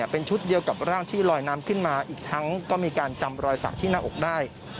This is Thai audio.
เป็นชุดเดียวกับร่างที่ลอยน้ำขึ้นมาอีกทั้งก็มีการจำรอยสักที่หน้าอกได้